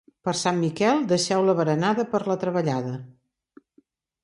Per Sant Miquel, deixeu la berenada per la treballada.